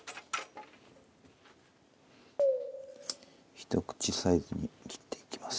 ひと口サイズに切っていきます。